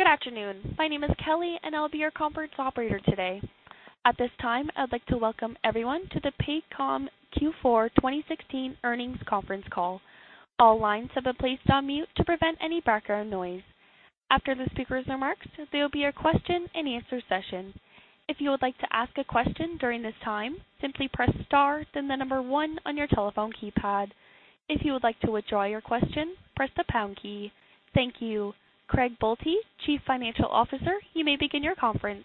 Good afternoon. My name is Kelly, and I'll be your conference operator today. At this time, I'd like to welcome everyone to the Paycom Q4 2016 earnings conference call. All lines have been placed on mute to prevent any background noise. After the speaker's remarks, there will be a question and answer session. If you would like to ask a question during this time, simply press star, then the number 1 on your telephone keypad. If you would like to withdraw your question, press the pound key. Thank you. Craig Bolte, Chief Financial Officer, you may begin your conference.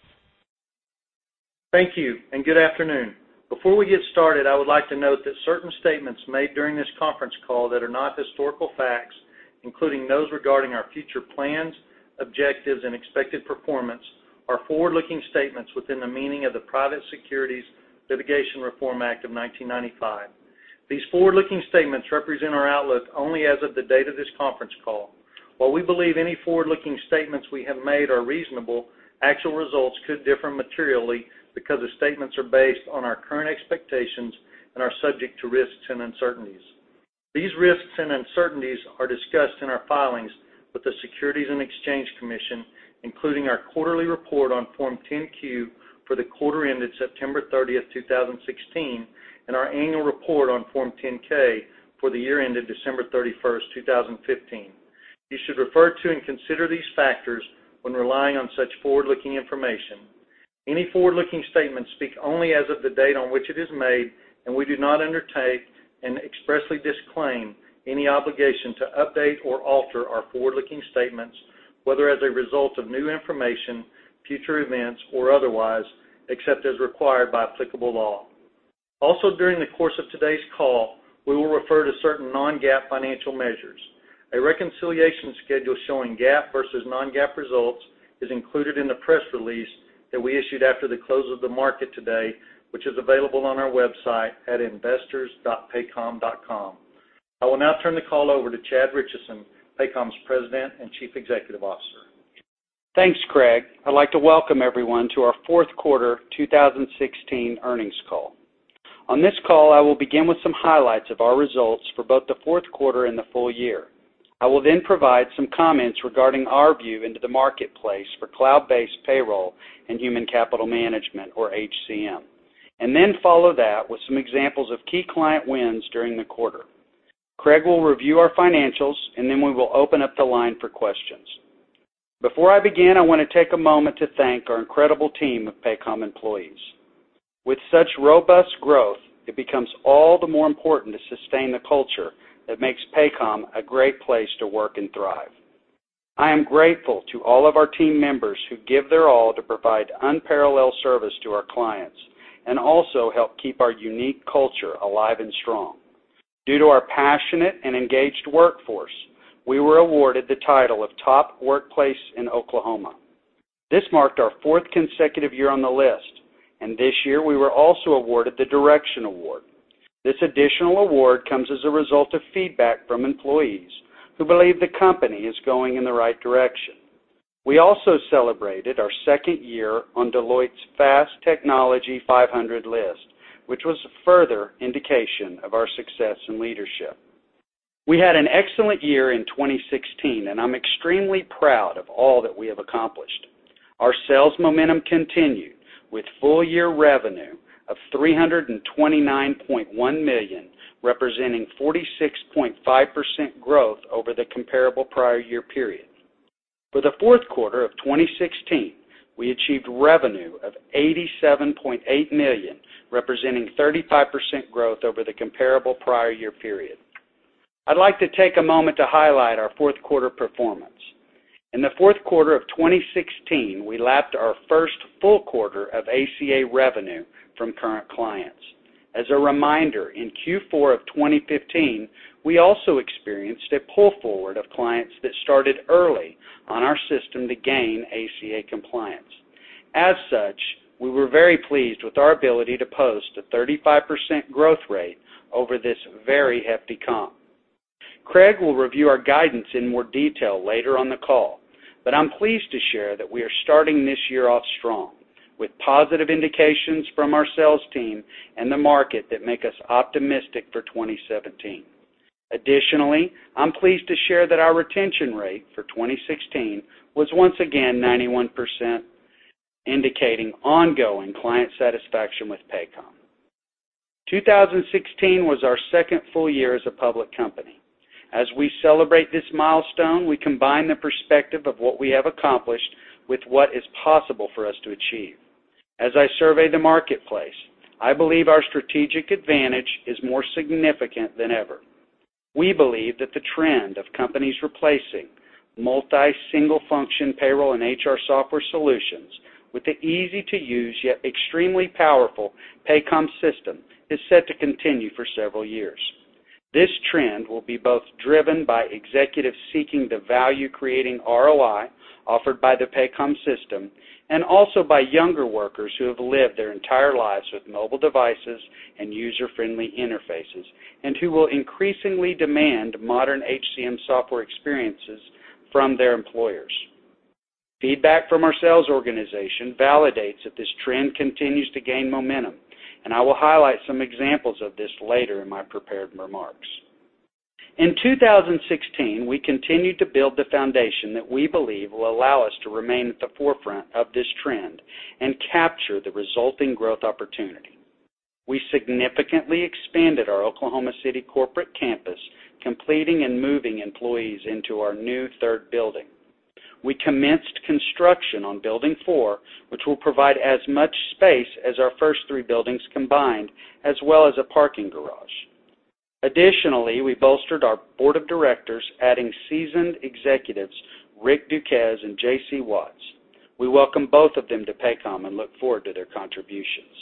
Thank you, and good afternoon. Before we get started, I would like to note that certain statements made during this conference call that are not historical facts, including those regarding our future plans, objectives, and expected performance, are forward-looking statements within the meaning of the Private Securities Litigation Reform Act of 1995. These forward-looking statements represent our outlook only as of the date of this conference call. While we believe any forward-looking statements we have made are reasonable, actual results could differ materially because the statements are based on our current expectations and are subject to risks and uncertainties. These risks and uncertainties are discussed in our filings with the Securities and Exchange Commission, including our quarterly report on Form 10-Q for the quarter ended September 30, 2016, and our annual report on Form 10-K for the year ended December 31, 2015. You should refer to and consider these factors when relying on such forward-looking information. Any forward-looking statements speak only as of the date on which it is made. We do not undertake, and expressly disclaim, any obligation to update or alter our forward-looking statements, whether as a result of new information, future events, or otherwise, except as required by applicable law. Also, during the course of today's call, we will refer to certain non-GAAP financial measures. A reconciliation schedule showing GAAP versus non-GAAP results is included in the press release that we issued after the close of the market today, which is available on our website at investors.paycom.com. I will now turn the call over to Chad Richison, Paycom's President and Chief Executive Officer. Thanks, Craig. I'd like to welcome everyone to our fourth quarter 2016 earnings call. On this call, I will begin with some highlights of our results for both the fourth quarter and the full year. I will then provide some comments regarding our view into the marketplace for cloud-based payroll and human capital management, or HCM. I will then follow that with some examples of key client wins during the quarter. Craig will review our financials. We will then open up the line for questions. Before I begin, I want to take a moment to thank our incredible team of Paycom employees. With such robust growth, it becomes all the more important to sustain the culture that makes Paycom a great place to work and thrive. I am grateful to all of our team members who give their all to provide unparalleled service to our clients and also help keep our unique culture alive and strong. Due to our passionate and engaged workforce, we were awarded the title of Top Workplace in Oklahoma. This marked our fourth consecutive year on the list, and this year we were also awarded the Direction Award. This additional award comes as a result of feedback from employees who believe the company is going in the right direction. We also celebrated our second year on Deloitte's Technology Fast 500 list, which was a further indication of our success and leadership. We had an excellent year in 2016, and I'm extremely proud of all that we have accomplished. Our sales momentum continued with full year revenue of $329.1 million, representing 46.5% growth over the comparable prior year period. For the fourth quarter of 2016, we achieved revenue of $87.8 million, representing 35% growth over the comparable prior year period. I'd like to take a moment to highlight our fourth quarter performance. In the fourth quarter of 2016, we lapped our first full quarter of ACA revenue from current clients. As a reminder, in Q4 of 2015, we also experienced a pull forward of clients that started early on our system to gain ACA compliance. As such, we were very pleased with our ability to post a 35% growth rate over this very hefty comp. Craig will review our guidance in more detail later on the call. I'm pleased to share that we are starting this year off strong with positive indications from our sales team and the market that make us optimistic for 2017. Additionally, I'm pleased to share that our retention rate for 2016 was once again 91%, indicating ongoing client satisfaction with Paycom. 2016 was our second full year as a public company. As we celebrate this milestone, we combine the perspective of what we have accomplished with what is possible for us to achieve. As I survey the marketplace, I believe our strategic advantage is more significant than ever. We believe that the trend of companies replacing multi, single function payroll and HR software solutions with the easy-to-use, yet extremely powerful Paycom system is set to continue for several years. This trend will be both driven by executives seeking the value-creating ROI offered by the Paycom system, and also by younger workers who have lived their entire lives with mobile devices and user-friendly interfaces and who will increasingly demand modern HCM software experiences from their employers. Feedback from our sales organization validates that this trend continues to gain momentum. I will highlight some examples of this later in my prepared remarks. In 2016, we continued to build the foundation that we believe will allow us to remain at the forefront of this trend and capture the resulting growth opportunity. We significantly expanded our Oklahoma City corporate campus, completing and moving employees into our new third building. We commenced construction on building 4, which will provide as much space as our first three buildings combined, as well as a parking garage. Additionally, we bolstered our board of directors, adding seasoned executives, Rick Duques and J.C. Watts. We welcome both of them to Paycom and look forward to their contributions.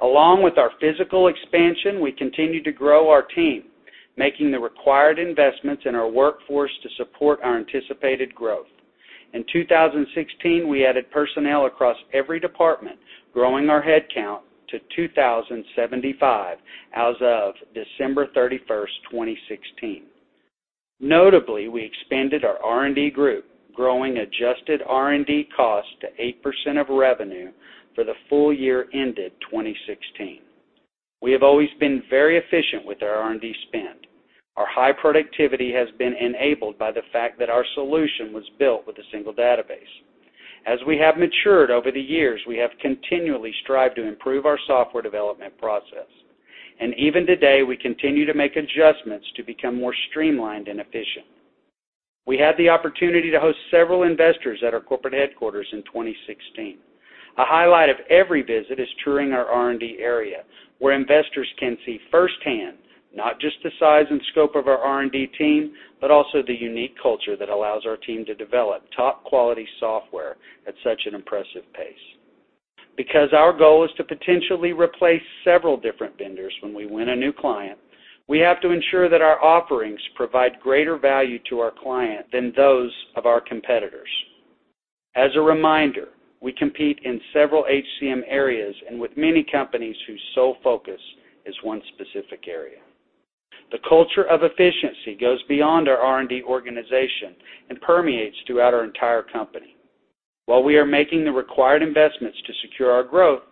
Along with our physical expansion, we continue to grow our team, making the required investments in our workforce to support our anticipated growth. In 2016, we added personnel across every department, growing our headcount to 2,075 as of December 31st, 2016. Notably, we expanded our R&D group, growing adjusted R&D costs to 8% of revenue for the full year ended 2016. We have always been very efficient with our R&D spend. Our high productivity has been enabled by the fact that our solution was built with a single database. As we have matured over the years, we have continually strived to improve our software development process, and even today, we continue to make adjustments to become more streamlined and efficient. We had the opportunity to host several investors at our corporate headquarters in 2016. A highlight of every visit is touring our R&D area, where investors can see firsthand not just the size and scope of our R&D team, but also the unique culture that allows our team to develop top-quality software at such an impressive pace. Because our goal is to potentially replace several different vendors when we win a new client, we have to ensure that our offerings provide greater value to our client than those of our competitors. As a reminder, we compete in several HCM areas and with many companies whose sole focus is one specific area. The culture of efficiency goes beyond our R&D organization and permeates throughout our entire company. While we are making the required investments to secure our growth,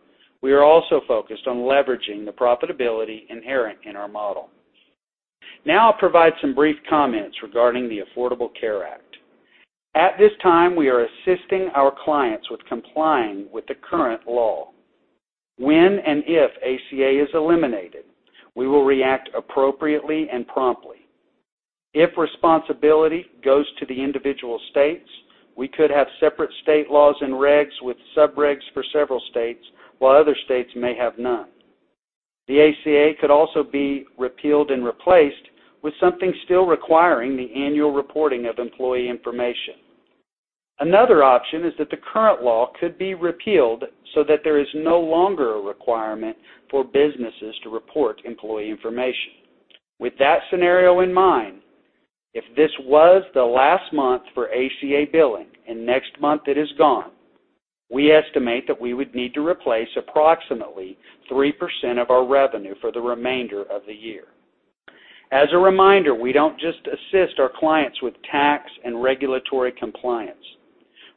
we are also focused on leveraging the profitability inherent in our model. Now I'll provide some brief comments regarding the Affordable Care Act. At this time, we are assisting our clients with complying with the current law. When and if ACA is eliminated, we will react appropriately and promptly. If responsibility goes to the individual states, we could have separate state laws and regs with sub-regs for several states, while other states may have none. The ACA could also be repealed and replaced with something still requiring the annual reporting of employee information. Another option is that the current law could be repealed so that there is no longer a requirement for businesses to report employee information. With that scenario in mind, if this was the last month for ACA billing and next month it is gone, we estimate that we would need to replace approximately 3% of our revenue for the remainder of the year. As a reminder, we don't just assist our clients with tax and regulatory compliance.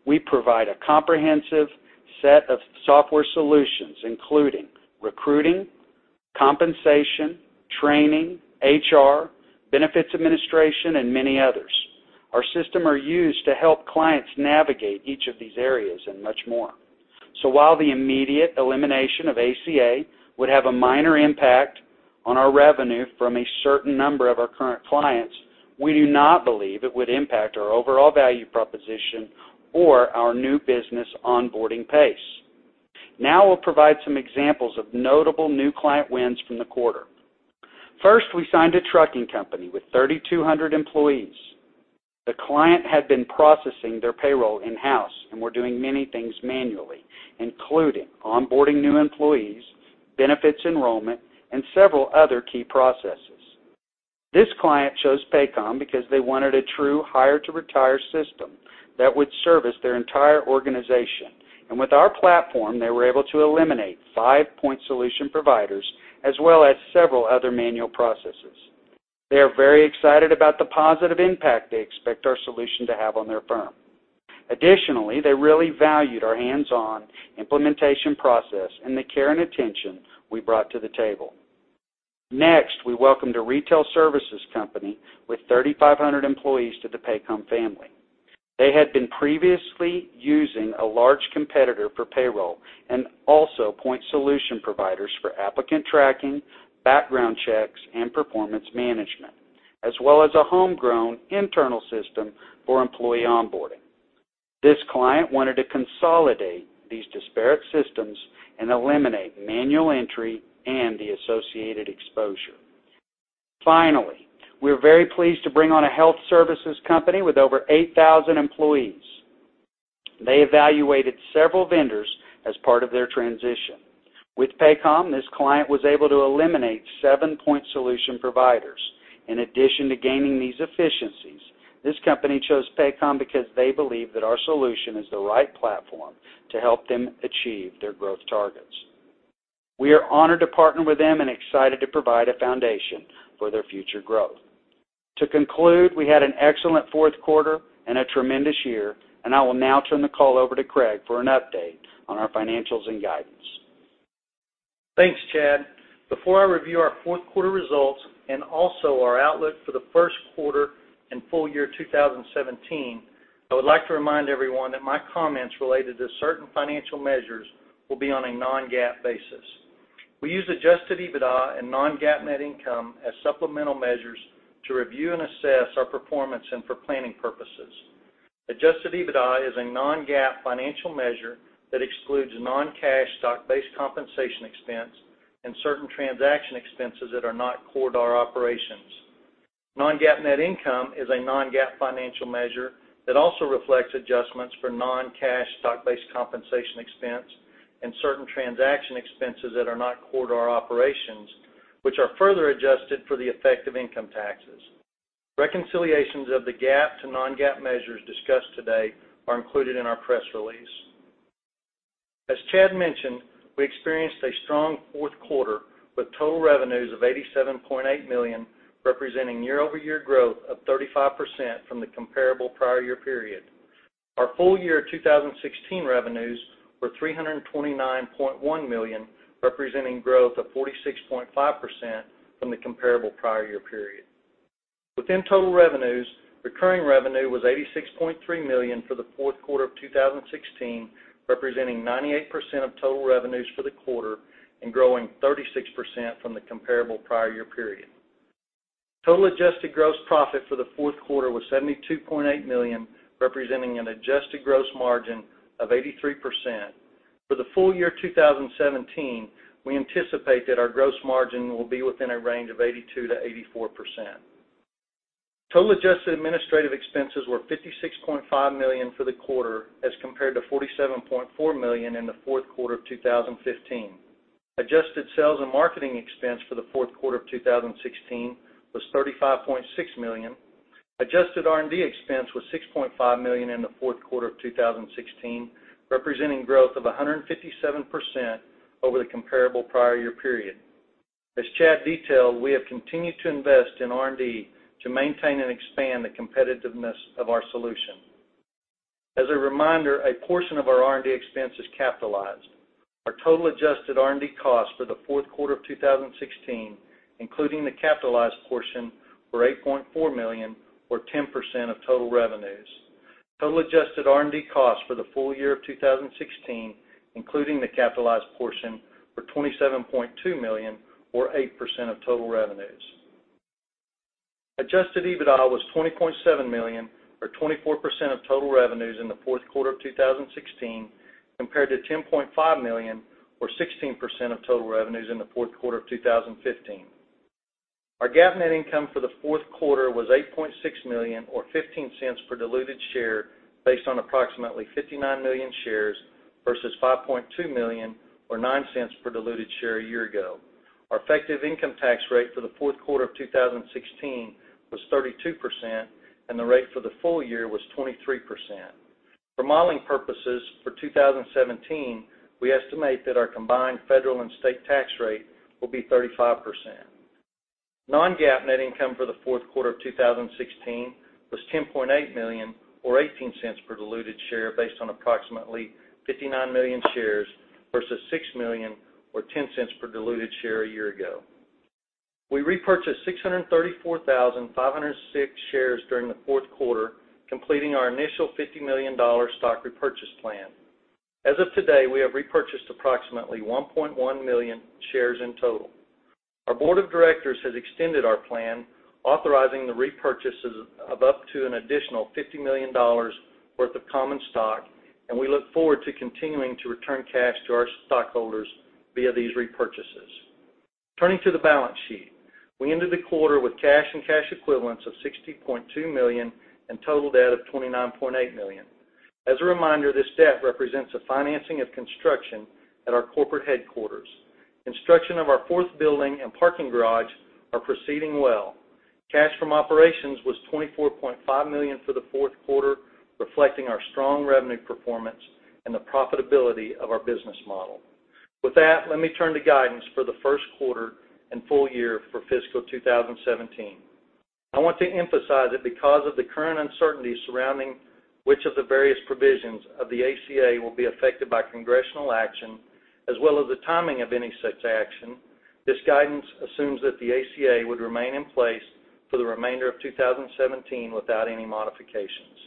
We provide a comprehensive set of software solutions, including recruiting, compensation, training, HR, benefits administration, and many others. Our system are used to help clients navigate each of these areas and much more. While the immediate elimination of ACA would have a minor impact on our revenue from a certain number of our current clients, we do not believe it would impact our overall value proposition or our new business onboarding pace. Now we'll provide some examples of notable new client wins from the quarter. First, we signed a trucking company with 3,200 employees. The client had been processing their payroll in-house and were doing many things manually, including onboarding new employees, benefits enrollment, and several other key processes. This client chose Paycom because they wanted a true hire-to-retire system that would service their entire organization. With our platform, they were able to eliminate five point solution providers, as well as several other manual processes. They are very excited about the positive impact they expect our solution to have on their firm. Additionally, they really valued our hands-on implementation process and the care and attention we brought to the table. Next, we welcomed a retail services company with 3,500 employees to the Paycom family. They had been previously using a large competitor for payroll and also point solution providers for applicant tracking, background checks, and performance management, as well as a homegrown internal system for employee onboarding. This client wanted to consolidate these disparate systems and eliminate manual entry and the associated exposure. Finally, we are very pleased to bring on a health services company with over 8,000 employees. They evaluated several vendors as part of their transition. With Paycom, this client was able to eliminate seven-point solution providers. In addition to gaining these efficiencies, this company chose Paycom because they believe that our solution is the right platform to help them achieve their growth targets. We are honored to partner with them and excited to provide a foundation for their future growth. To conclude, we had an excellent fourth quarter and a tremendous year, I will now turn the call over to Craig for an update on our financials and guidance. Thanks, Chad. Before I review our fourth quarter results and also our outlook for the first quarter and full year 2017, I would like to remind everyone that my comments related to certain financial measures will be on a non-GAAP basis. We use adjusted EBITDA and non-GAAP net income as supplemental measures to review and assess our performance and for planning purposes. Adjusted EBITDA is a non-GAAP financial measure that excludes non-cash stock-based compensation expense and certain transaction expenses that are not core to our operations. Non-GAAP net income is a non-GAAP financial measure that also reflects adjustments for non-cash stock-based compensation expense and certain transaction expenses that are not core to our operations, which are further adjusted for the effective income taxes. Reconciliations of the GAAP to non-GAAP measures discussed today are included in our press release. As Chad mentioned, we experienced a strong fourth quarter with total revenues of $87.8 million, representing year-over-year growth of 35% from the comparable prior year period. Our full year 2016 revenues were $329.1 million, representing growth of 46.5% from the comparable prior year period. Within total revenues, recurring revenue was $86.3 million for the fourth quarter of 2016, representing 98% of total revenues for the quarter and growing 36% from the comparable prior year period. Total adjusted gross profit for the fourth quarter was $72.8 million, representing an adjusted gross margin of 83%. For the full year 2017, we anticipate that our gross margin will be within a range of 82%-84%. Total adjusted administrative expenses were $56.5 million for the quarter as compared to $47.4 million in the fourth quarter of 2015. Adjusted sales and marketing expense for the fourth quarter of 2016 was $35.6 million. Adjusted R&D expense was $6.5 million in the fourth quarter of 2016, representing growth of 157% over the comparable prior year period. As Chad detailed, we have continued to invest in R&D to maintain and expand the competitiveness of our solution. As a reminder, a portion of our R&D expense is capitalized. Our total adjusted R&D costs for the fourth quarter of 2016, including the capitalized portion, were $8.4 million or 10% of total revenues. Total adjusted R&D costs for the full year of 2016, including the capitalized portion, were $27.2 million or 8% of total revenues. Adjusted EBITDA was $20.7 million or 24% of total revenues in the fourth quarter of 2016 compared to $10.5 million or 16% of total revenues in the fourth quarter of 2015. Our GAAP net income for the fourth quarter was $8.6 million or $0.15 per diluted share based on approximately 59 million shares versus $5.2 million or $0.09 per diluted share a year ago. Our effective income tax rate for the fourth quarter of 2016 was 32%, and the rate for the full year was 23%. For modeling purposes for 2017, we estimate that our combined federal and state tax rate will be 35%. Non-GAAP net income for the fourth quarter of 2016 was $10.8 million or $0.18 per diluted share based on approximately 59 million shares versus $6 million or $0.10 per diluted share a year ago. We repurchased 634,506 shares during the fourth quarter, completing our initial $50 million stock repurchase plan. As of today, we have repurchased approximately 1.1 million shares in total. Our board of directors has extended our plan, authorizing the repurchases of up to an additional $50 million worth of common stock. We look forward to continuing to return cash to our stockholders via these repurchases. Turning to the balance sheet. We ended the quarter with cash and cash equivalents of $60.2 million and total debt of $29.8 million. As a reminder, this debt represents the financing of construction at our corporate headquarters. Construction of our fourth building and parking garage are proceeding well. Cash from operations was $24.5 million for the fourth quarter, reflecting our strong revenue performance and the profitability of our business model. With that, let me turn to guidance for the first quarter and full year for fiscal 2017. I want to emphasize that because of the current uncertainty surrounding which of the various provisions of the ACA will be affected by congressional action, as well as the timing of any such action, this guidance assumes that the ACA would remain in place for the remainder of 2017 without any modifications.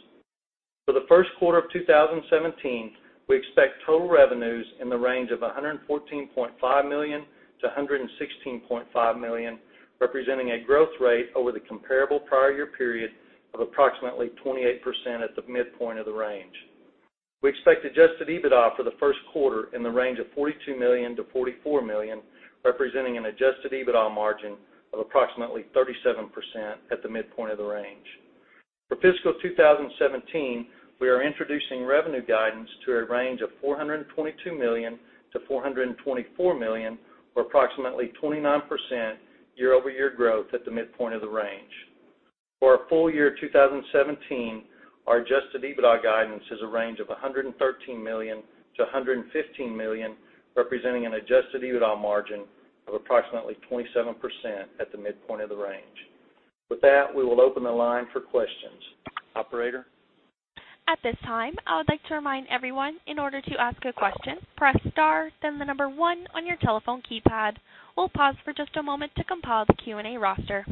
For the first quarter of 2017, we expect total revenues in the range of $114.5 million-$116.5 million, representing a growth rate over the comparable prior year period of approximately 28% at the midpoint of the range. We expect adjusted EBITDA for the first quarter in the range of $42 million-$44 million, representing an adjusted EBITDA margin of approximately 37% at the midpoint of the range. For fiscal 2017, we are introducing revenue guidance to a range of $422 million-$424 million or approximately 29% year-over-year growth at the midpoint of the range. For our full year 2017, our adjusted EBITDA guidance is a range of $113 million-$115 million, representing an adjusted EBITDA margin of approximately 27% at the midpoint of the range. With that, we will open the line for questions. Operator? At this time, I would like to remind everyone, in order to ask a question, press star, then the number one on your telephone keypad. We'll pause for just a moment to compile the Q&A roster.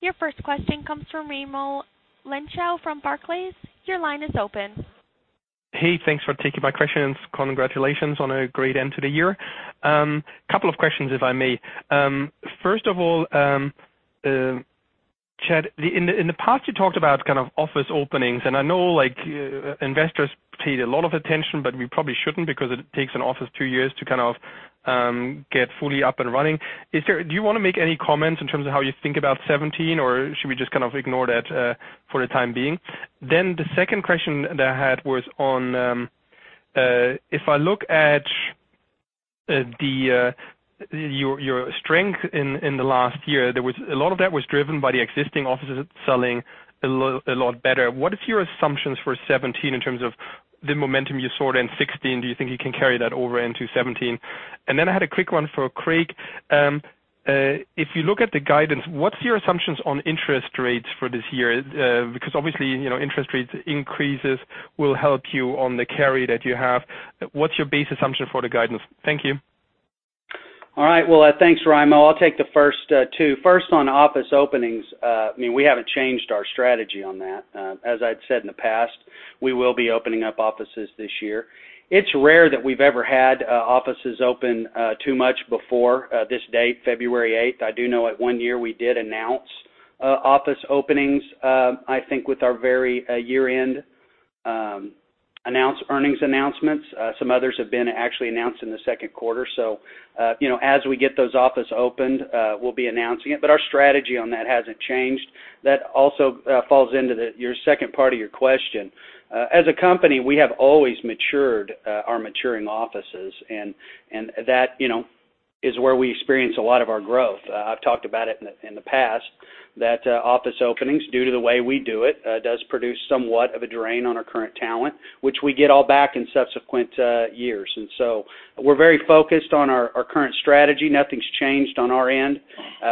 Your first question comes from Raimo Lenschow from Barclays. Your line is open. Hey, thanks for taking my questions. Congratulations on a great end to the year. Couple of questions, if I may. First of all, Chad, in the past, you talked about office openings, and I know investors paid a lot of attention, but we probably shouldn't because it takes an office two years to get fully up and running. Do you want to make any comments in terms of how you think about 2017, or should we just ignore that for the time being? The second question that I had was on, if I look at your strength in the last year, a lot of that was driven by the existing offices selling a lot better. What is your assumptions for 2017 in terms of the momentum you saw in 2016? Do you think you can carry that over into 2017? I had a quick one for Craig. If you look at the guidance, what's your assumptions on interest rates for this year? Because obviously, interest rates increases will help you on the carry that you have. What's your base assumption for the guidance? Thank you. All right. Well, thanks, Raimo. I'll take the first two. First on office openings, we haven't changed our strategy on that. As I'd said in the past, we will be opening up offices this year. It's rare that we've ever had offices open too much before this date, February 8th. I do know at one year, we did announce office openings, I think with our very year-end earnings announcements. Some others have been actually announced in the second quarter. As we get those office opened, we'll be announcing it. Our strategy on that hasn't changed. That also falls into your second part of your question. As a company, we have always matured our maturing offices, and that is where we experience a lot of our growth. I've talked about it in the past that office openings, due to the way we do it, does produce somewhat of a drain on our current talent, which we get all back in subsequent years. We're very focused on our current strategy. Nothing's changed on our end.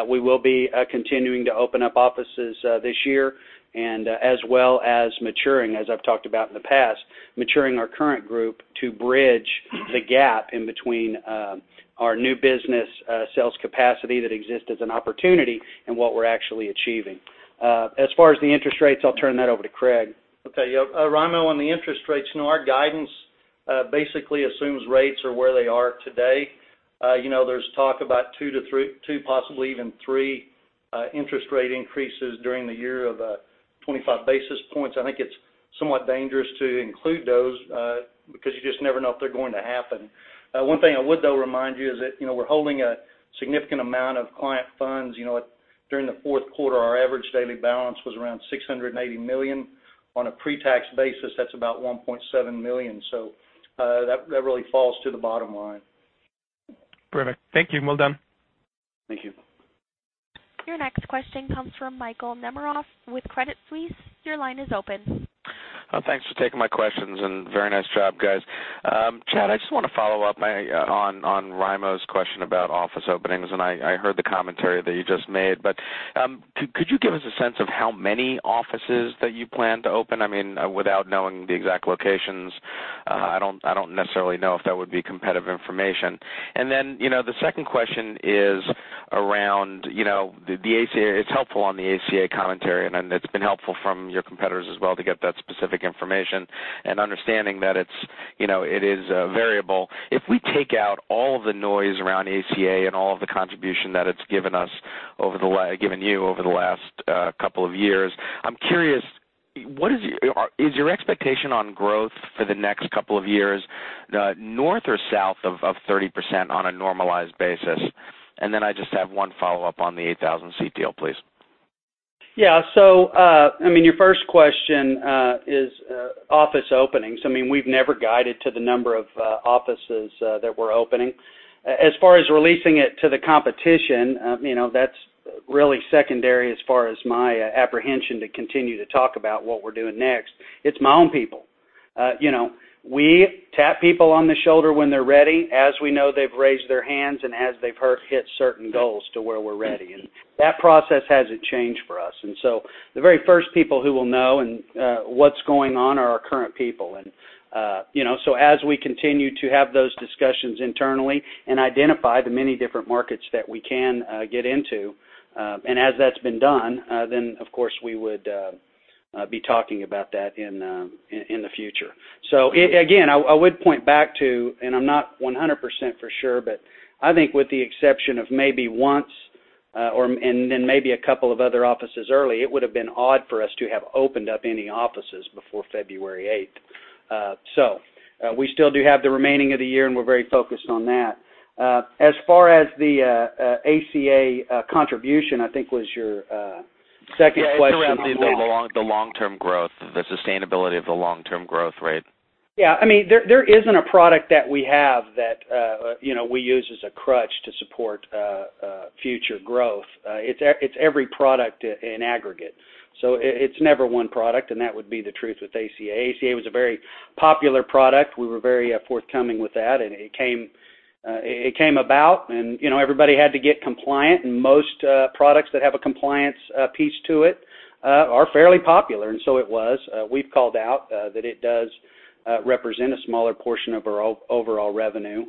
We will be continuing to open up offices this year, and as well as maturing, as I've talked about in the past, maturing our current group to bridge the gap in between our new business sales capacity that exists as an opportunity and what we're actually achieving. As far as the interest rates, I'll turn that over to Craig. Okay. Yeah. Raimo, on the interest rates, our guidance basically assumes rates are where they are today. There's talk about two, possibly even three interest rate increases during the year of 25 basis points. I think it's somewhat dangerous to include those, because you just never know if they're going to happen. One thing I would, though, remind you is that we're holding a significant amount of client funds. During the fourth quarter, our average daily balance was around $680 million. On a pre-tax basis, that's about $1.7 million. That really falls to the bottom line. Perfect. Thank you. Well done. Thank you. Your next question comes from Michael Nemeroff with Credit Suisse. Your line is open. Thanks for taking my questions and very nice job, guys. Chad, I just want to follow up on Raimo's question about office openings. I heard the commentary that you just made, but could you give us a sense of how many offices that you plan to open? Without knowing the exact locations, I don't necessarily know if that would be competitive information. The second question is around the ACA. It's helpful on the ACA commentary, and it's been helpful from your competitors as well to get that specific information and understanding that it is a variable. If we take out all of the noise around ACA and all of the contribution that it's given you over the last couple of years, I'm curious, is your expectation on growth for the next couple of years north or south of 30% on a normalized basis? I just have one follow-up on the 8,000 seat deal, please. Yeah. Your first question is office openings. We've never guided to the number of offices that we're opening. As far as releasing it to the competition, that's really secondary as far as my apprehension to continue to talk about what we're doing next. It's my own people. We tap people on the shoulder when they're ready, as we know they've raised their hands and as they've hit certain goals to where we're ready. That process hasn't changed for us. The very first people who will know and what's going on are our current people. As we continue to have those discussions internally and identify the many different markets that we can get into, and as that's been done, then of course we would be talking about that in the future. Again, I would point back to, and I'm not 100% for sure, but I think with the exception of maybe once, and then maybe a couple of other offices early, it would've been odd for us to have opened up any offices before February 8th. We still do have the remaining of the year, and we're very focused on that. As far as the ACA contribution, I think was your second question. Yeah, it's around the long-term growth, the sustainability of the long-term growth rate. Yeah. There isn't a product that we have that we use as a crutch to support future growth. It's every product in aggregate. It's never one product, and that would be the truth with ACA. ACA was a very popular product. We were very forthcoming with that, and it came about and everybody had to get compliant, and most products that have a compliance piece to it Are fairly popular, and so it was. We've called out that it does represent a smaller portion of our overall revenue.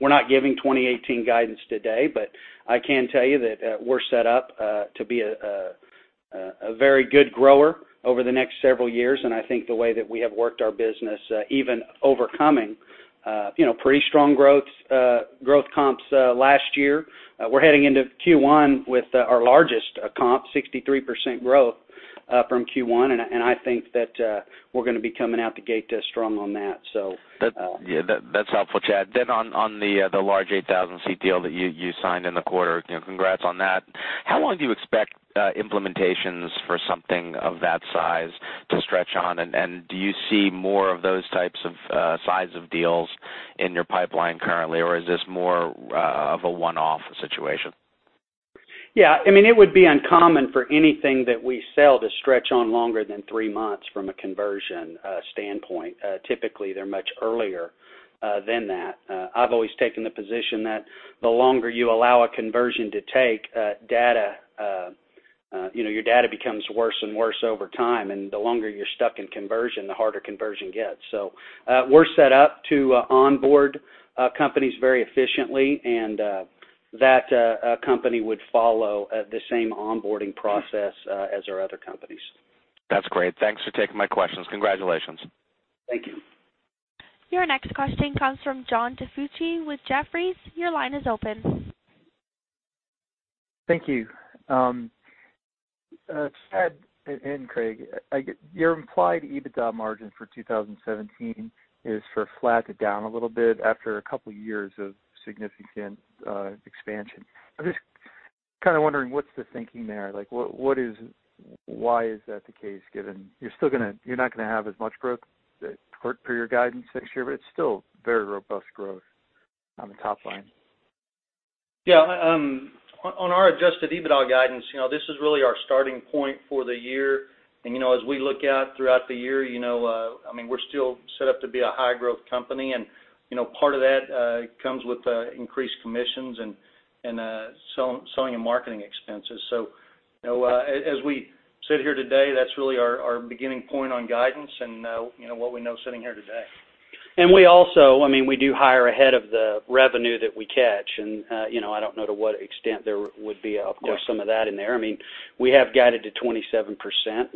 We're not giving 2018 guidance today, but I can tell you that we're set up to be a very good grower over the next several years, and I think the way that we have worked our business, even overcoming pretty strong growth comps last year. We're heading into Q1 with our largest comp, 63% growth from Q1. I think that we're going to be coming out the gate strong on that. That's helpful, Chad. On the large 8,000-seat deal that you signed in the quarter, congrats on that. How long do you expect implementations for something of that size to stretch on? Do you see more of those types of size of deals in your pipeline currently, or is this more of a one-off situation? Yeah. It would be uncommon for anything that we sell to stretch on longer than three months from a conversion standpoint. Typically, they're much earlier than that. I've always taken the position that the longer you allow a conversion to take, your data becomes worse and worse over time. The longer you're stuck in conversion, the harder conversion gets. We're set up to onboard companies very efficiently. That company would follow the same onboarding process as our other companies. That's great. Thanks for taking my questions. Congratulations. Thank you. Your next question comes from John DiFucci with Jefferies. Your line is open. Thank you. Chad and Craig, your implied EBITDA margin for 2017 is for flat to down a little bit after a couple of years of significant expansion. I'm just kind of wondering, what's the thinking there? Why is that the case, given you're not going to have as much per your guidance next year, but it's still very robust growth on the top line? Yeah. On our adjusted EBITDA guidance, this is really our starting point for the year. As we look out throughout the year, we're still set up to be a high-growth company, and part of that comes with increased commissions and selling and marketing expenses. As we sit here today, that's really our beginning point on guidance and what we know sitting here today. We also do hire ahead of the revenue that we catch, I don't know to what extent there would be, of course, some of that in there. We have guided to 27%.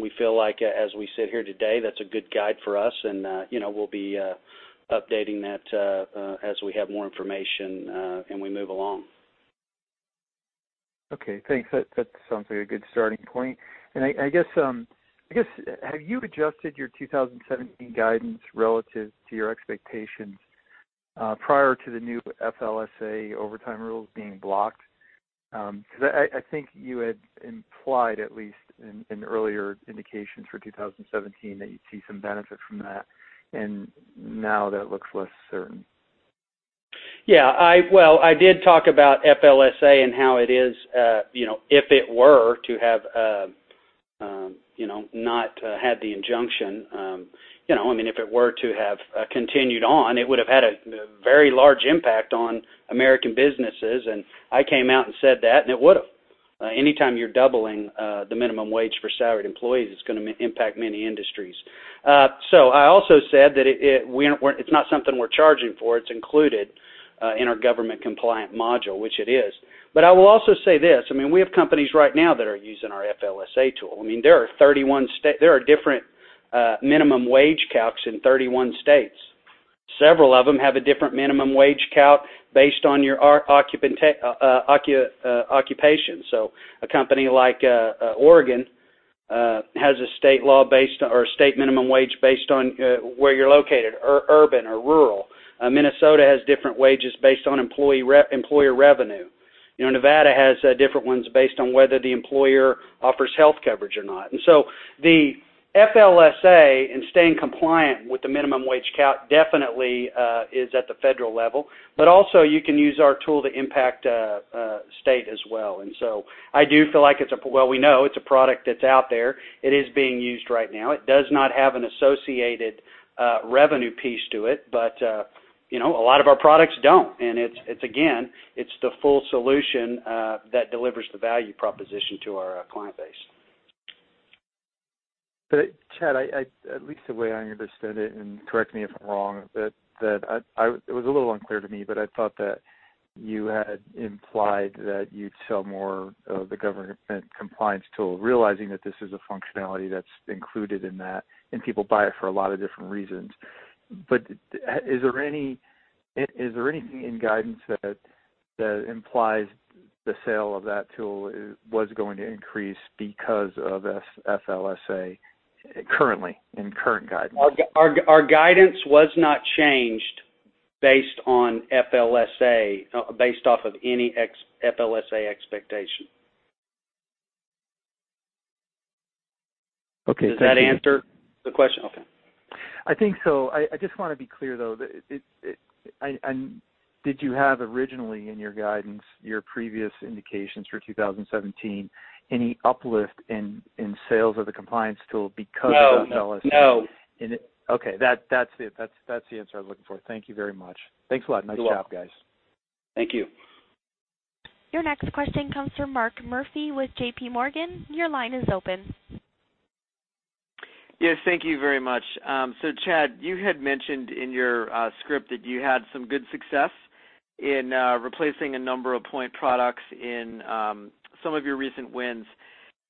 We feel like, as we sit here today, that's a good guide for us, and we'll be updating that as we have more information and we move along. Okay, thanks. That sounds like a good starting point. I guess, have you adjusted your 2017 guidance relative to your expectations prior to the new FLSA overtime rules being blocked? Because I think you had implied, at least in earlier indications for 2017, that you'd see some benefit from that, and now that looks less certain. Yeah. I did talk about FLSA and how it is, if it were to have not had the injunction, if it were to have continued on, it would have had a very large impact on American businesses, I came out and said that, and it would have. Anytime you're doubling the minimum wage for salaried employees, it's going to impact many industries. I also said that it's not something we're charging for. It's included in our government compliance module, which it is. I will also say this, we have companies right now that are using our FLSA tool. There are different minimum wage calcs in 31 states. Several of them have a different minimum wage calc based on your occupation. A company like Oregon, has a state minimum wage based on where you're located, urban or rural. Minnesota has different wages based on employer revenue. Nevada has different ones based on whether the employer offers health coverage or not. The FLSA and staying compliant with the minimum wage calc definitely is at the federal level. Also you can use our tool to impact state as well. I do feel like, we know it's a product that's out there. It is being used right now. It does not have an associated revenue piece to it, a lot of our products don't, and again, it's the full solution that delivers the value proposition to our client base. Chad, at least the way I understood it, correct me if I'm wrong, it was a little unclear to me, I thought that you had implied that you'd sell more of the government compliance tool, realizing that this is a functionality that's included in that, and people buy it for a lot of different reasons. Is there anything in guidance that implies the sale of that tool was going to increase because of FLSA currently in current guidance? Our guidance was not changed based off of any FLSA expectation. Okay. Thank you. Does that answer the question? Okay. I think so. I just want to be clear, though, did you have originally in your guidance, your previous indications for 2017, any uplift in sales of the compliance tool because of FLSA? No. Okay. That's the answer I was looking for. Thank you very much. Thanks a lot. Nice job, guys. Thank you. Your next question comes from Mark Murphy with JPMorgan. Your line is open. Yes, thank you very much. Chad, you had mentioned in your script that you had some good success in replacing a number of point products in some of your recent wins.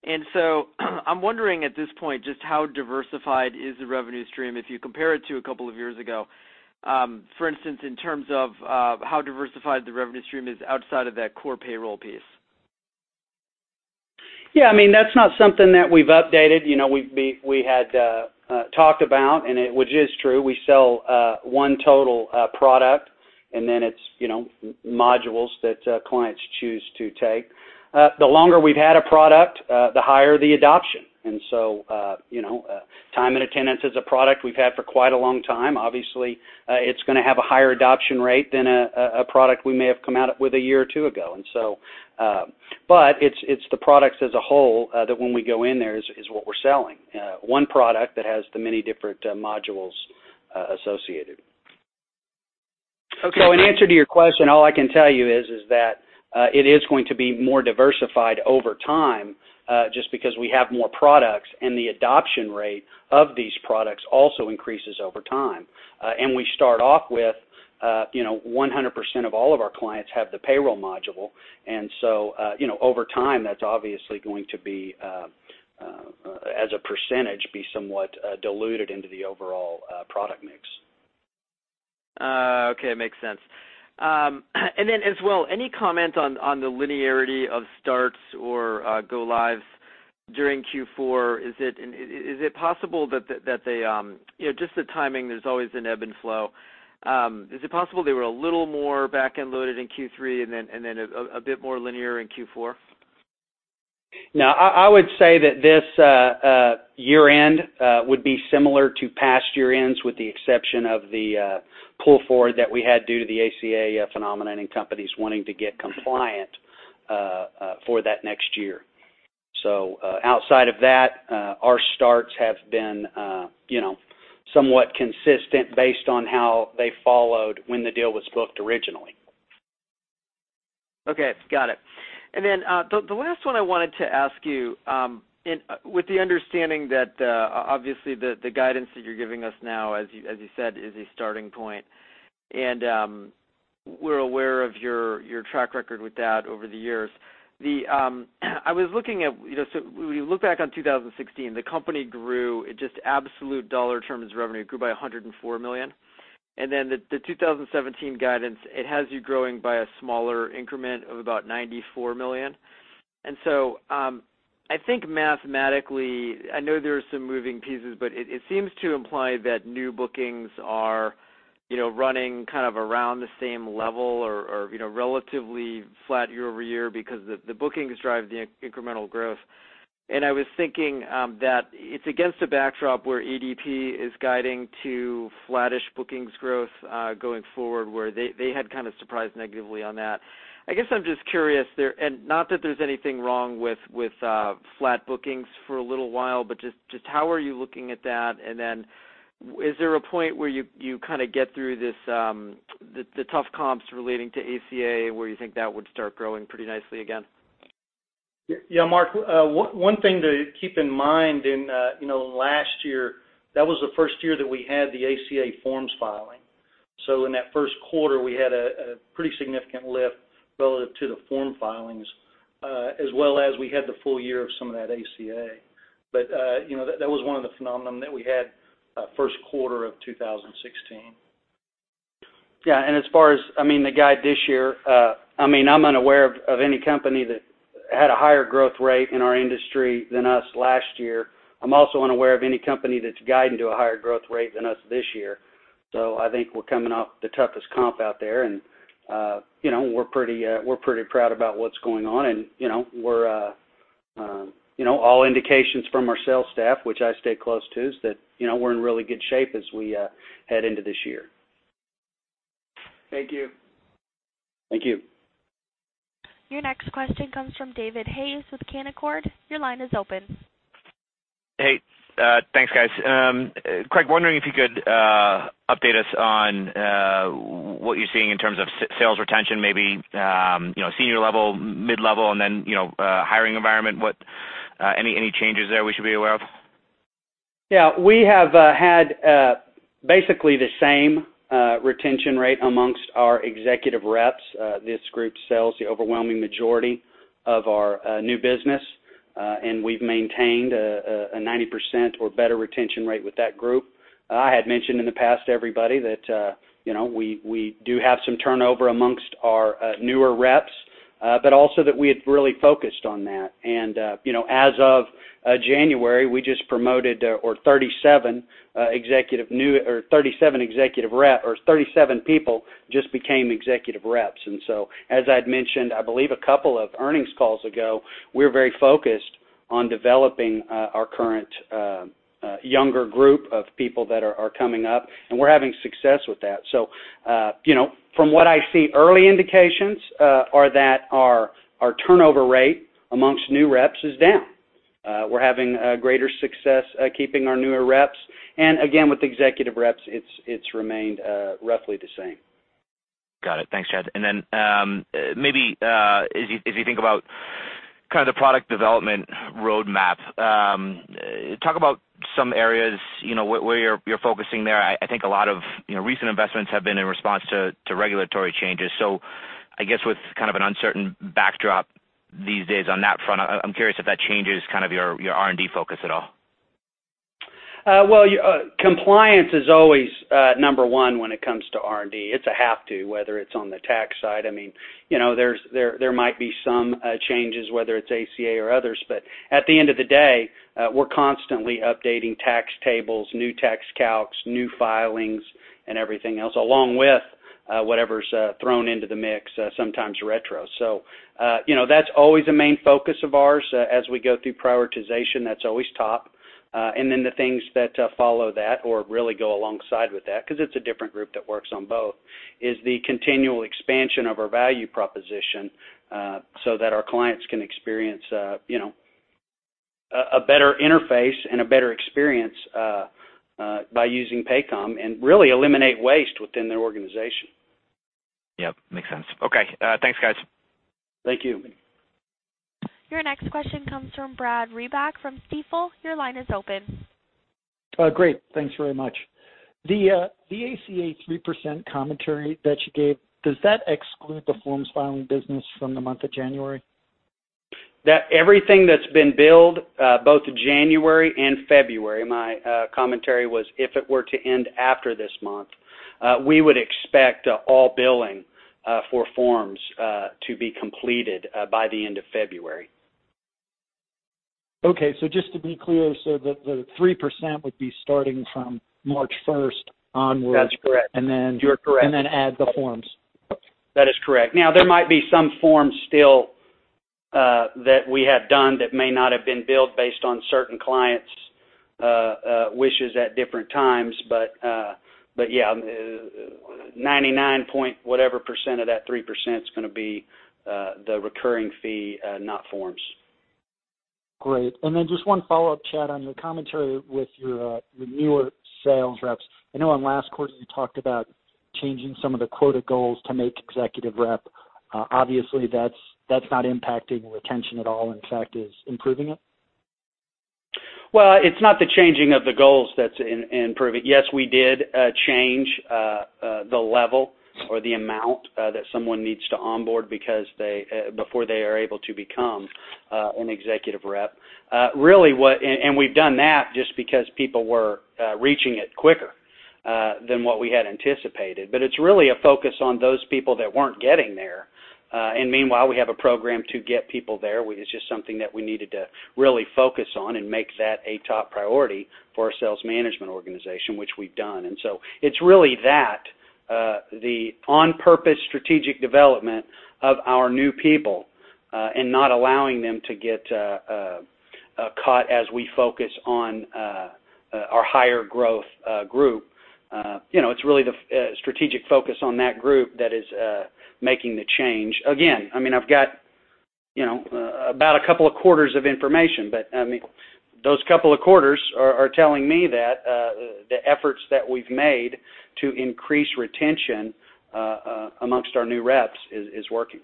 I'm wondering at this point, just how diversified is the revenue stream if you compare it to a couple of years ago? For instance, in terms of how diversified the revenue stream is outside of that core payroll piece. Yeah, that's not something that we've updated. We had talked about, which is true, we sell one total product, then it's modules that clients choose to take. The longer we've had a product, the higher the adoption. Time and attendance is a product we've had for quite a long time. Obviously, it's going to have a higher adoption rate than a product we may have come out with a year or two ago. It's the products as a whole, that when we go in there, is what we're selling. One product that has the many different modules associated. Okay. In answer to your question, all I can tell you is that it is going to be more diversified over time, just because we have more products and the adoption rate of these products also increases over time. We start off with 100% of all of our clients have the payroll module. Over time, that's obviously going to, as a percentage, be somewhat diluted into the overall product mix. Okay. Makes sense. As well, any comment on the linearity of starts or go lives during Q4? Just the timing, there's always an ebb and flow. Is it possible they were a little more back-end loaded in Q3 and then a bit more linear in Q4? No, I would say that this year-end would be similar to past year-ends, with the exception of the pull forward that we had due to the ACA phenomenon and companies wanting to get compliant for that next year. Outside of that, our starts have been somewhat consistent based on how they followed when the deal was booked originally. Okay. Got it. The last one I wanted to ask you, with the understanding that obviously the guidance that you're giving us now, as you said, is a starting point, and we're aware of your track record with that over the years. When you look back on 2016, the company grew, in just absolute dollar terms, revenue grew by $104 million. The 2017 guidance, it has you growing by a smaller increment of about $94 million. I think mathematically, I know there are some moving pieces, but it seems to imply that new bookings are running around the same level or relatively flat year-over-year because the bookings drive the incremental growth. I was thinking that it's against a backdrop where ADP is guiding to flattish bookings growth, going forward, where they had kind of surprised negatively on that. I guess I'm just curious, and not that there's anything wrong with flat bookings for a little while, but just how are you looking at that, and then is there a point where you get through the tough comps relating to ACA where you think that would start growing pretty nicely again? Yeah, Mark. One thing to keep in mind in last year, that was the first year that we had the ACA forms filing. In that first quarter, we had a pretty significant lift relative to the form filings, as well as we had the full year of some of that ACA. That was one of the phenomenon that we had first quarter of 2016. As far as the guide this year, I'm unaware of any company that had a higher growth rate in our industry than us last year. I'm also unaware of any company that's guiding to a higher growth rate than us this year. I think we're coming off the toughest comp out there, and we're pretty proud about what's going on, and all indications from our sales staff, which I stay close to, is that we're in really good shape as we head into this year. Thank you. Thank you. Your next question comes from David Hynes with Canaccord. Your line is open. Hey, thanks, guys. Craig, wondering if you could update us on what you're seeing in terms of sales retention, maybe senior level, mid-level, hiring environment. Any changes there we should be aware of? Yeah. We have had basically the same retention rate amongst our executive reps. This group sells the overwhelming majority of our new business. We've maintained a 90% or better retention rate with that group. I had mentioned in the past, everybody, that we do have some turnover amongst our newer reps. Also that we had really focused on that. As of January, 37 people just became executive reps. As I'd mentioned, I believe a couple of earnings calls ago, we're very focused on developing our current younger group of people that are coming up, and we're having success with that. From what I see, early indications are that our turnover rate amongst new reps is down. We're having a greater success keeping our newer reps. Again, with executive reps, it's remained roughly the same. Got it. Thanks, Chad. Maybe, as you think about the product development roadmap, talk about some areas where you're focusing there. I think a lot of recent investments have been in response to regulatory changes. I guess, with an uncertain backdrop these days on that front, I'm curious if that changes your R&D focus at all. Well, compliance is always number one when it comes to R&D. It's a have to, whether it's on the tax side. There might be some changes, whether it's ACA or others. At the end of the day, we're constantly updating tax tables, new tax calcs, new filings and everything else, along with whatever's thrown into the mix, sometimes retro. That's always a main focus of ours. As we go through prioritization, that's always top. The things that follow that or really go alongside with that, because it's a different group that works on both, is the continual expansion of our value proposition, so that our clients can experience a better interface and a better experience by using Paycom, and really eliminate waste within their organization. Yep, makes sense. Okay. Thanks, guys. Thank you. Your next question comes from Brad Reback from Stifel. Your line is open. Great. Thanks very much. The ACA 3% commentary that you gave, does that exclude the forms filing business from the month of January? Everything that's been billed, both January and February. My commentary was if it were to end after this month, we would expect all billing for forms to be completed by the end of February. Okay, just to be clear, the 3% would be starting from March 1st onwards. That's correct. and then- You're correct Then add the forms. That is correct. There might be some forms still that we have done that may not have been billed based on certain clients' wishes at different times. Yeah, 99.whatever% of that 3% is going to be the recurring fee, not forms. Great. Then just one follow-up, Chad, on your commentary with your newer sales reps. I know on last quarter you talked about changing some of the quota goals to make executive rep. Obviously that's not impacting retention at all, in fact, is improving it? Well, it's not the changing of the goals that's improving. Yes, we did change the level or the amount that someone needs to onboard before they are able to become an executive rep. We've done that just because people were reaching it quicker than what we had anticipated. It's really a focus on those people that weren't getting there. Meanwhile, we have a program to get people there. It's just something that we needed to really focus on and make that a top priority for our sales management organization, which we've done. It's really that, the on-purpose strategic development of our new people, and not allowing them to get caught as we focus on our higher growth group. It's really the strategic focus on that group that is making the change. Again, I've got about a couple of quarters of information, but those couple of quarters are telling me that the efforts that we've made to increase retention amongst our new reps is working.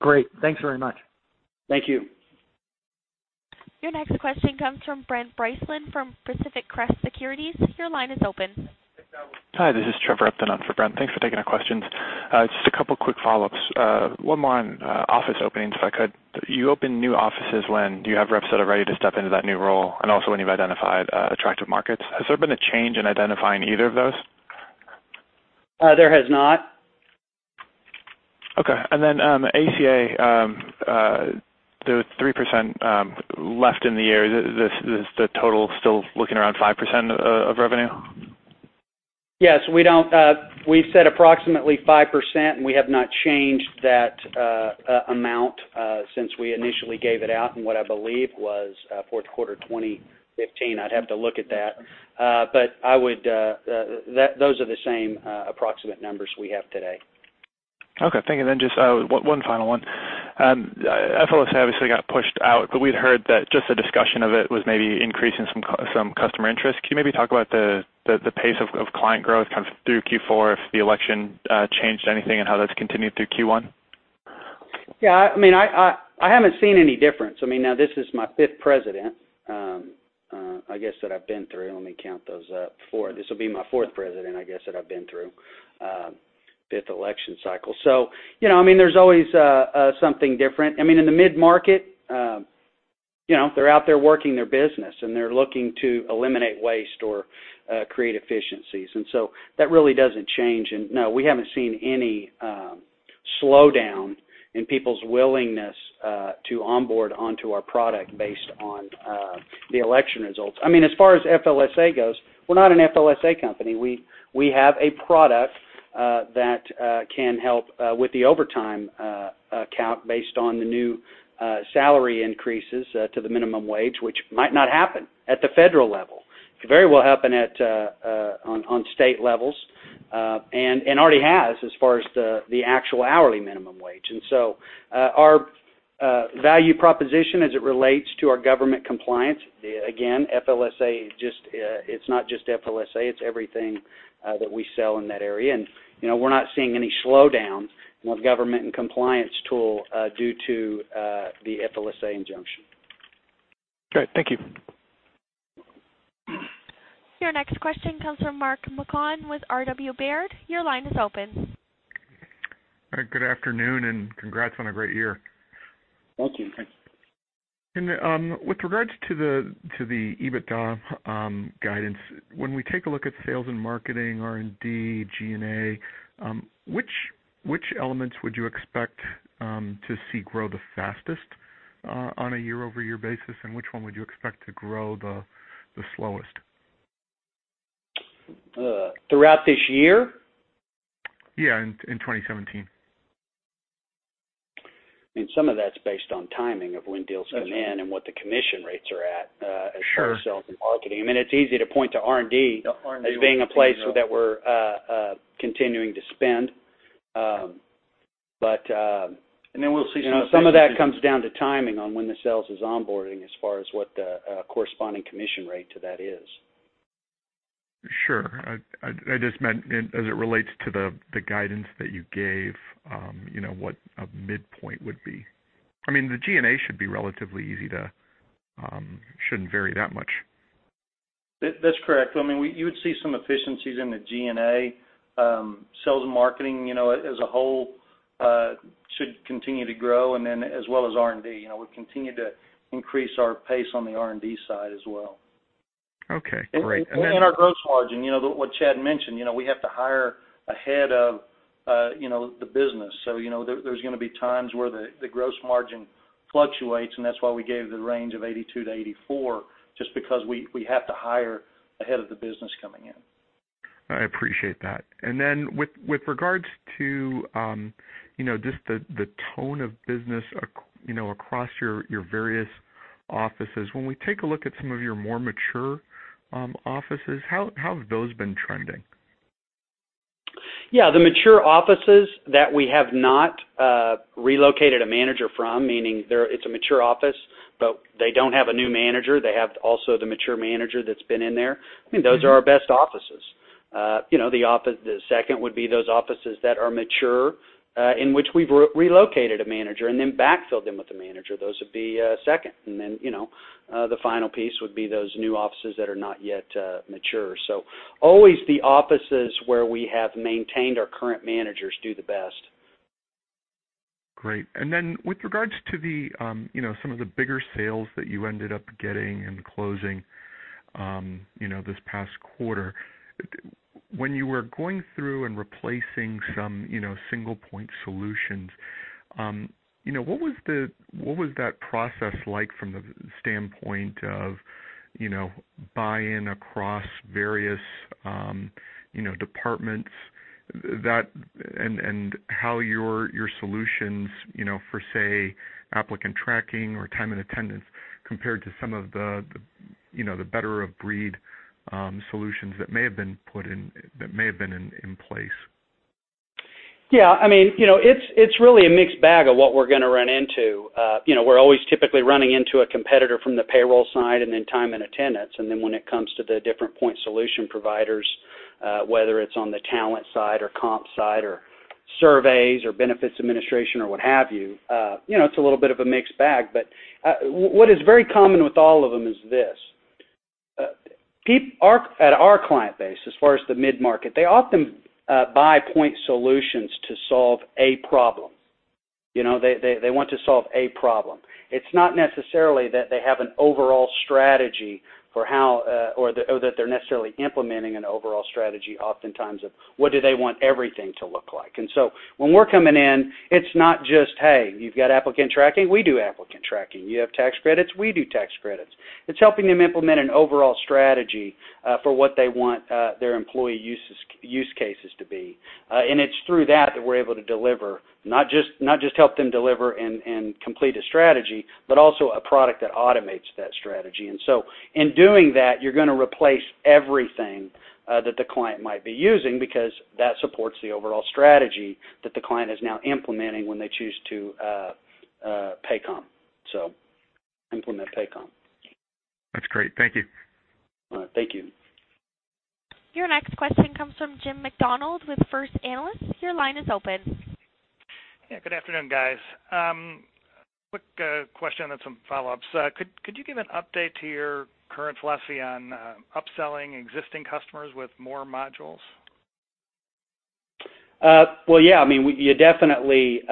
Great. Thanks very much. Thank you. Your next question comes from Brent Bracelin from Pacific Crest Securities. Your line is open. Hi, this is Trevor Upton on for Brent. Thanks for taking our questions. Just a couple quick follow-ups. One more on office openings, if I could. You open new offices when you have reps that are ready to step into that new role, and also when you've identified attractive markets. Has there been a change in identifying either of those? There has not. Okay. ACA, the 3% left in the year, is the total still looking around 5% of revenue? Yes, we've said approximately 5%, and we have not changed that amount since we initially gave it out in what I believe was fourth quarter 2015. I'd have to look at that. Those are the same approximate numbers we have today. Okay, thank you. Just one final one. FLSA obviously got pushed out, but we'd heard that just the discussion of it was maybe increasing some customer interest. Can you maybe talk about the pace of client growth through Q4, if the election changed anything, and how that's continued through Q1? Yeah, I haven't seen any difference. Now this is my fifth president, I guess that I've been through. Let me count those up. Four. This will be my fourth president, I guess, that I've been through. Fifth election cycle. There's always something different. In the mid-market, they're out there working their business, and they're looking to eliminate waste or create efficiencies. That really doesn't change. No, we haven't seen any slowdown in people's willingness to onboard onto our product based on the election results. As far as FLSA goes, we're not an FLSA company. We have a product that can help with the overtime count based on the new salary increases to the minimum wage, which might not happen at the federal level. Could very well happen on state levels. Already has, as far as the actual hourly minimum wage. Our value proposition as it relates to our government compliance, again, FLSA, it's not just FLSA, it's everything that we sell in that area. We're not seeing any slowdown on government and compliance tool due to the FLSA injunction. Great. Thank you. Your next question comes from Mark Marcon with R.W. Baird. Your line is open. Good afternoon, congrats on a great year. Thank you. With regards to the EBITDA guidance, when we take a look at sales and marketing, R&D, G&A, which elements would you expect to see grow the fastest on a year-over-year basis, and which one would you expect to grow the slowest? Throughout this year? Yeah, in 2017. Some of that's based on timing of when deals come in and what the commission rates are at. Sure as far as sales and marketing. It's easy to point to R&D as being a place that we're continuing to spend. We'll see some. Some of that comes down to timing on when the sales is onboarding as far as what the corresponding commission rate to that is. Sure. I just meant as it relates to the guidance that you gave, what a midpoint would be. The G&A shouldn't vary that much. That's correct. You would see some efficiencies in the G&A. Sales and marketing, as a whole, should continue to grow, as well as R&D. We've continued to increase our pace on the R&D side as well. Okay, great. Our gross margin, what Chad mentioned, we have to hire ahead of the business. There's going to be times where the gross margin fluctuates, and that's why we gave the range of 82%-84%, just because we have to hire ahead of the business coming in. I appreciate that. With regards to just the tone of business across your various offices, when we take a look at some of your more mature offices, how have those been trending? Yeah, the mature offices that we have not relocated a manager from, meaning it's a mature office, but they don't have a new manager, they have also the mature manager that's been in there, those are our best offices. The second would be those offices that are mature, in which we've relocated a manager, and then backfilled them with a manager. Those would be second. The final piece would be those new offices that are not yet mature. Always the offices where we have maintained our current managers do the best. Great. With regards to some of the bigger sales that you ended up getting and closing this past quarter, when you were going through and replacing some single point solutions, what was that process like from the standpoint of buy-in across various departments, and how your solutions for, say, applicant tracking or time and attendance compared to some of the best-of-breed solutions that may have been in place? Yeah. It's really a mixed bag of what we're going to run into. We're always typically running into a competitor from the payroll side and then time and attendance. When it comes to the different point solution providers, whether it's on the talent side or comp side or surveys or benefits administration or what have you, it's a little bit of a mixed bag. What is very common with all of them is this, at our client base, as far as the mid-market, they often buy point solutions to solve a problem. They want to solve a problem. It's not necessarily that they have an overall strategy or that they're necessarily implementing an overall strategy oftentimes of what do they want everything to look like. When we're coming in, it's not just, "Hey, you've got applicant tracking? We do applicant tracking. You have tax credits? We do tax credits." It's helping them implement an overall strategy for what they want their employee use cases to be. It's through that that we're able to deliver, not just help them deliver and complete a strategy, but also a product that automates that strategy. In doing that, you're going to replace everything that the client might be using because that supports the overall strategy that the client is now implementing when they choose to implement Paycom. That's great. Thank you. Thank you. Your next question comes from Jim Macdonald with First Analysis. Your line is open. Good afternoon, guys. Quick question and some follow-ups. Could you give an update to your current philosophy on upselling existing customers with more modules? Well, yeah. You definitely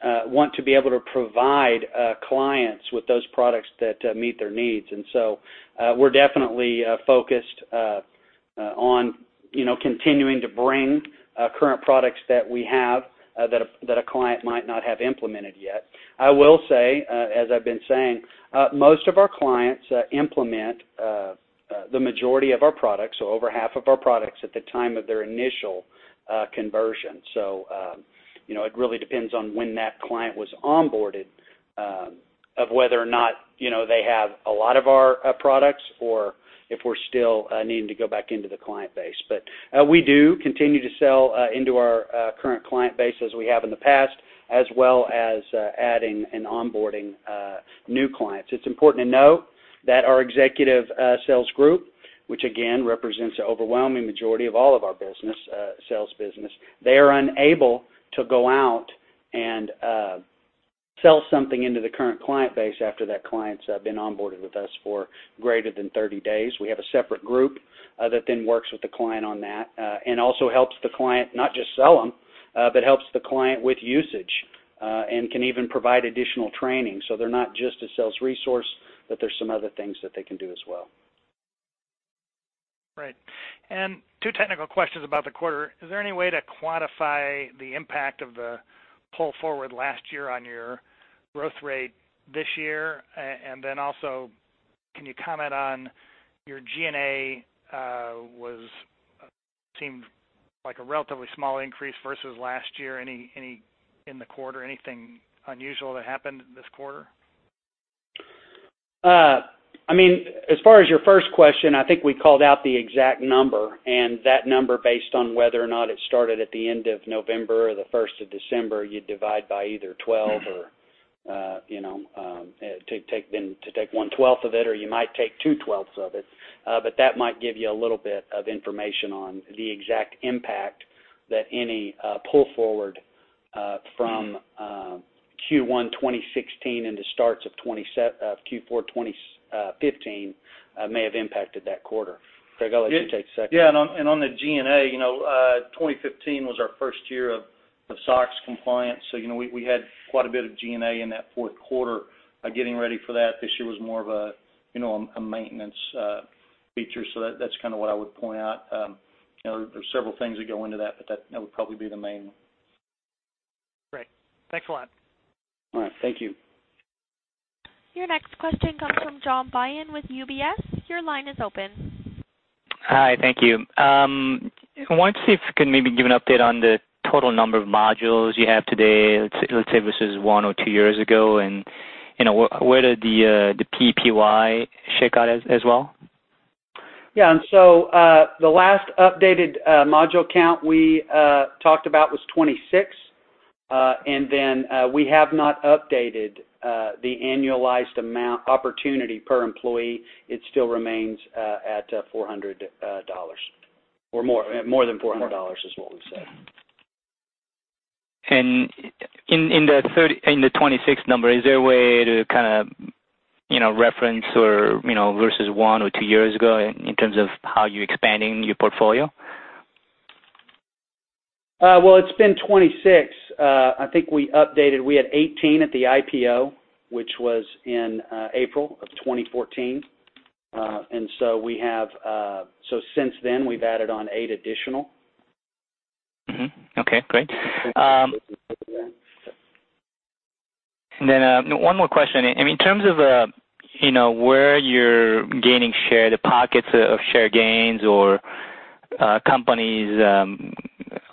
want to be able to provide clients with those products that meet their needs. We're definitely focused on continuing to bring current products that we have that a client might not have implemented yet. I will say, as I've been saying, most of our clients implement the majority of our products, so over half of our products at the time of their initial conversion. It really depends on when that client was onboarded of whether or not they have a lot of our products or if we're still needing to go back into the client base. We do continue to sell into our current client base as we have in the past, as well as adding and onboarding new clients. It's important to note that our executive sales group, which again represents the overwhelming majority of all of our sales business, they are unable to go out and sell something into the current client base after that client's been onboarded with us for greater than 30 days. We have a separate group that then works with the client on that, and also helps the client, not just sell them, but helps the client with usage, and can even provide additional training. They're not just a sales resource, but there's some other things that they can do as well. Right. Two technical questions about the quarter. Is there any way to quantify the impact of the pull forward last year on your growth rate this year? Can you comment on your G&A, seemed like a relatively small increase versus last year. In the quarter, anything unusual that happened this quarter? As far as your first question, I think we called out the exact number, that number based on whether or not it started at the end of November or the 1st of December, you'd divide by either 12 to take one twelfth of it, or you might take two twelfths of it. That might give you a little bit of information on the exact impact that any pull forward from Q1 2016 into starts of Q4 2015 may have impacted that quarter. Craig, I'll let you take the second. On the G&A, 2015 was our first year of SOX compliance. We had quite a bit of G&A in that fourth quarter, getting ready for that. This year was more of a maintenance feature. That's what I would point out. There's several things that go into that, but that would probably be the main one. Great. Thanks a lot. All right. Thank you. Your next question comes from John Byun with UBS. Your line is open. Hi. Thank you. I wanted to see if you can maybe give an update on the total number of modules you have today, let's say versus one or two years ago, and where did the PEPM shake out as well? Yeah. The last updated module count we talked about was 26. We have not updated the annualized amount opportunity per employee. It still remains at more than $400 is what we've said. In the 26 number, is there a way to reference versus one or two years ago in terms of how you're expanding your portfolio? Well, it's been 26. I think we updated, we had 18 at the IPO, which was in April of 2014. Since then, we've added on eight additional. Mm-hmm. Okay, great. One more question. In terms of where you're gaining share, the pockets of share gains or companies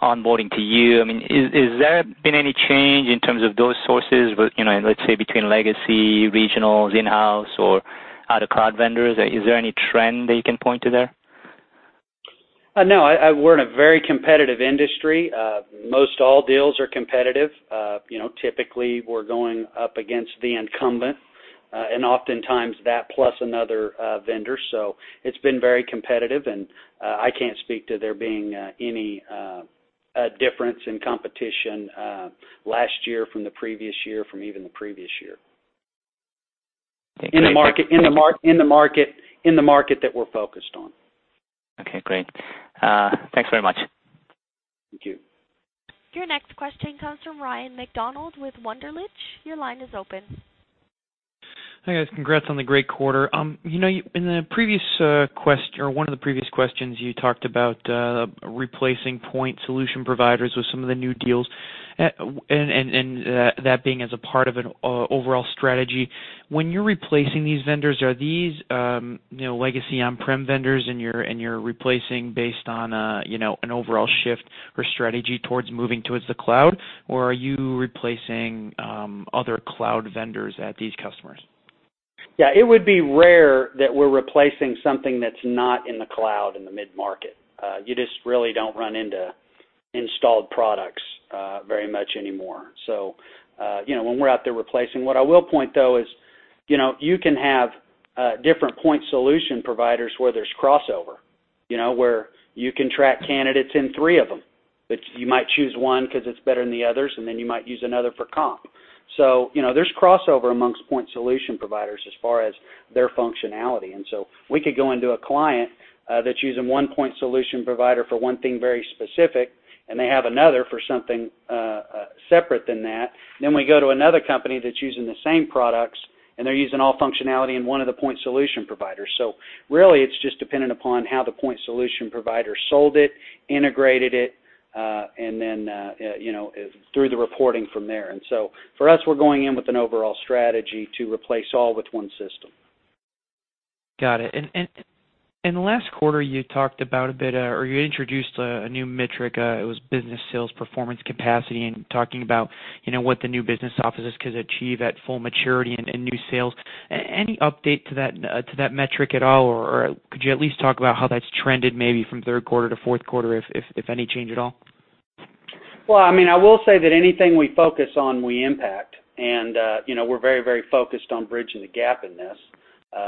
onboarding to you, has there been any change in terms of those sources, let's say between legacy, regionals, in-house, or other cloud vendors? Is there any trend that you can point to there? No. We're in a very competitive industry. Most all deals are competitive. Typically, we're going up against the incumbent, and oftentimes that plus another vendor. It's been very competitive, and I can't speak to there being any difference in competition last year from the previous year, from even the previous year. Thank you. In the market that we're focused on. Okay, great. Thanks very much. Thank you. Your next question comes from Ryan MacDonald with Wunderlich Securities. Your line is open. Hi, guys. Congrats on the great quarter. In one of the previous questions, you talked about replacing point solution providers with some of the new deals, and that being as a part of an overall strategy. When you're replacing these vendors, are these legacy on-prem vendors and you're replacing based on an overall shift or strategy towards moving towards the cloud, or are you replacing other cloud vendors at these customers? Yeah. It would be rare that we're replacing something that's not in the cloud in the mid-market. You just really don't run into installed products very much anymore. When we're out there replacing, what I will point, though, is you can have different point solution providers where there's crossover, where you can track candidates in three of them, but you might choose one because it's better than the others, and then you might use another for comp. There's crossover amongst point solution providers as far as their functionality. We could go into a client that's using one point solution provider for one thing very specific, and they have another for something separate than that. We go to another company that's using the same products, and they're using all functionality in one of the point solution providers. Really, it's just dependent upon how the point solution provider sold it, integrated it, and then through the reporting from there. For us, we're going in with an overall strategy to replace all with one system. Got it. Last quarter, you talked about a bit, or you introduced a new metric, it was business sales performance capacity, and talking about what the new business offices could achieve at full maturity and new sales. Any update to that metric at all, or could you at least talk about how that's trended maybe from third quarter to fourth quarter, if any change at all? Well, I will say that anything we focus on, we impact. We're very focused on bridging the gap in this.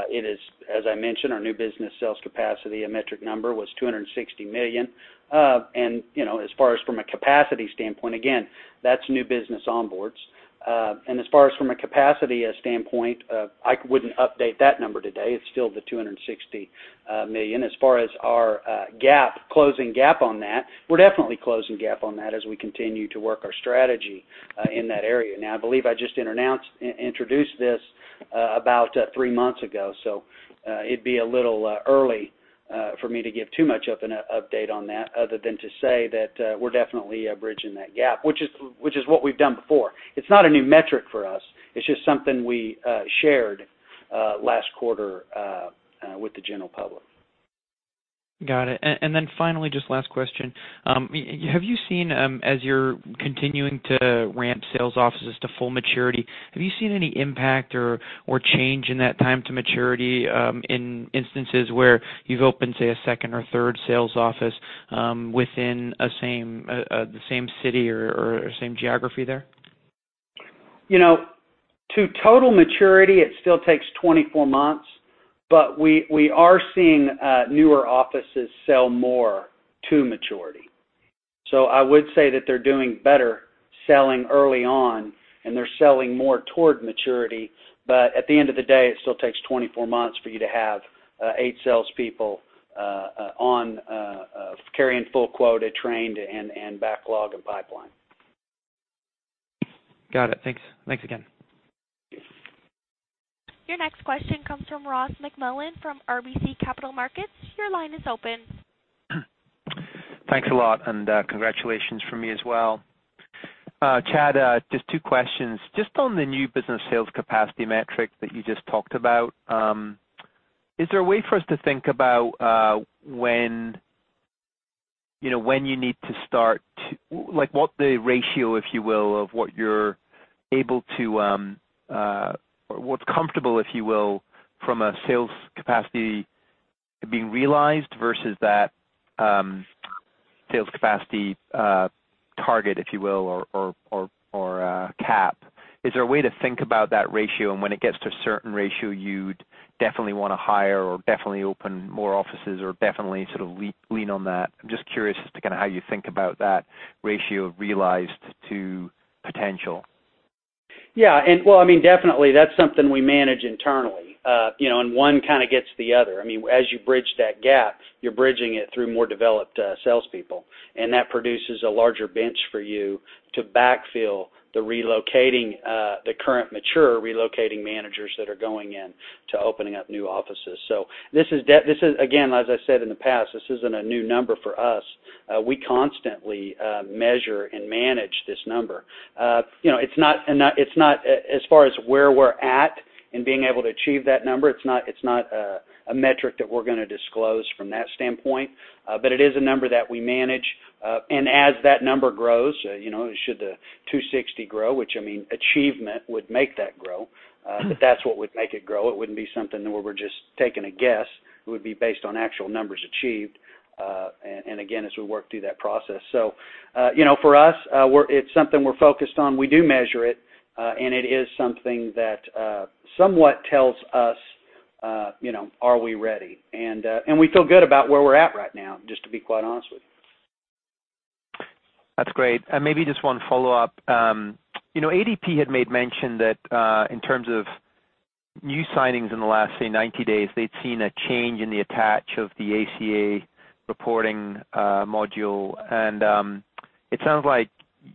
It is, as I mentioned, our new business sales capacity, a metric number was $260 million. As far as from a capacity standpoint, again, that's new business onboards. As far as from a capacity standpoint, I wouldn't update that number today. It's still the $260 million. As far as our closing gap on that, we're definitely closing gap on that as we continue to work our strategy in that area. Now, I believe I just introduced this about three months ago, so it'd be a little early for me to give too much of an update on that other than to say that we're definitely bridging that gap, which is what we've done before. It's not a new metric for us. It's just something we shared last quarter with the general public. Got it. Finally, just last question. As you're continuing to ramp sales offices to full maturity, have you seen any impact or change in that time to maturity in instances where you've opened, say, a second or third sales office within the same city or same geography there? To total maturity, it still takes 24 months, we are seeing newer offices sell more to maturity. I would say that they're doing better selling early on, and they're selling more toward maturity. At the end of the day, it still takes 24 months for you to have eight salespeople carrying full quota, trained, and backlog, and pipeline. Got it. Thanks again. Your next question comes from Ross MacMillan from RBC Capital Markets. Your line is open. Thanks a lot. Congratulations from me as well. Chad, just two questions. Just on the new business sales capacity metric that you just talked about, is there a way for us to think about what the ratio, if you will, of what's comfortable, if you will, from a sales capacity being realized versus that sales capacity target, if you will, or cap? Is there a way to think about that ratio, and when it gets to a certain ratio, you'd definitely want to hire or definitely open more offices or definitely sort of lean on that? I'm just curious as to how you think about that ratio of realized to potential. Yeah. Definitely, that's something we manage internally. One kind of gets the other. As you bridge that gap, you're bridging it through more developed salespeople, and that produces a larger bench for you to backfill the current mature relocating managers that are going in to opening up new offices. This is, again, as I said in the past, this isn't a new number for us. We constantly measure and manage this number. As far as where we're at in being able to achieve that number, it's not a metric that we're going to disclose from that standpoint, but it is a number that we manage. As that number grows, should the 260 grow, which achievement would make that grow. That's what would make it grow. It wouldn't be something where we're just taking a guess. It would be based on actual numbers achieved, and again, as we work through that process. For us, it's something we're focused on. We do measure it, and it is something that somewhat tells us, are we ready? We feel good about where we're at right now, just to be quite honest with you. Maybe just one follow-up. ADP had made mention that in terms of new signings in the last, say, 90 days, they'd seen a change in the attach of the ACA reporting module. It sounds like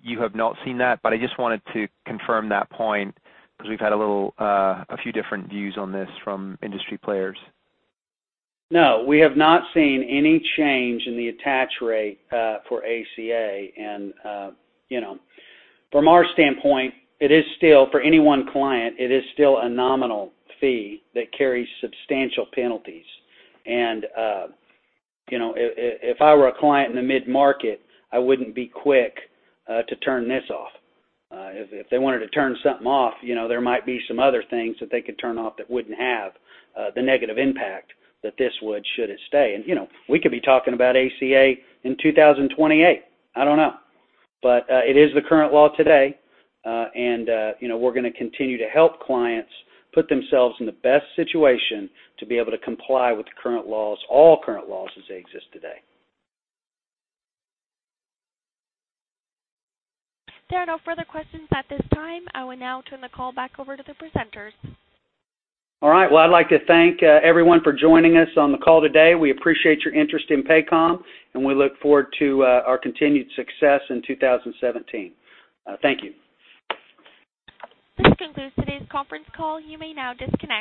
you have not seen that, but I just wanted to confirm that point, because we've had a few different views on this from industry players. No, we have not seen any change in the attach rate for ACA. From our standpoint, for any one client, it is still a nominal fee that carries substantial penalties. If I were a client in the mid-market, I wouldn't be quick to turn this off. If they wanted to turn something off, there might be some other things that they could turn off that wouldn't have the negative impact that this would, should it stay. We could be talking about ACA in 2028. I don't know. It is the current law today. We're going to continue to help clients put themselves in the best situation to be able to comply with the current laws, all current laws as they exist today. There are no further questions at this time. I will now turn the call back over to the presenters. All right. Well, I'd like to thank everyone for joining us on the call today. We appreciate your interest in Paycom. We look forward to our continued success in 2017. Thank you. This concludes today's conference call. You may now disconnect.